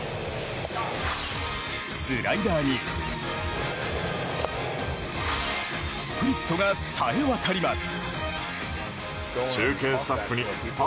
スライダーにスプリットがさえわたります。